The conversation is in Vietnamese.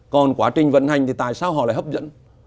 còn quá trình vận hành thì tại sao họ lại hấp dẫn